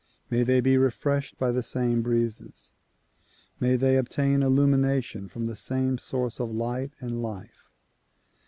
May they be refreshed by the same breezes. May they obtain illumination from the same source of light and life.